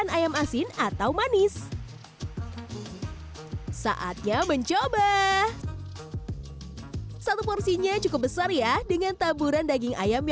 mac min amanis saatnya mencoba satu versinya cukup besar ya dengan taburan daging ayam